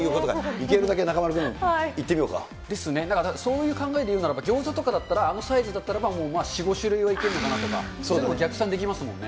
いけるだけですね、そういう考えで言うならば、ギョーザとかだったら、あのサイズだったらば４、５種類はいけるのかなとか、逆算できますもんね。